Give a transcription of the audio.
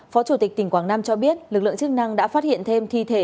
phó chủ tịch tỉnh quảng nam cho biết lực lượng chức năng đã phát hiện thêm thi thể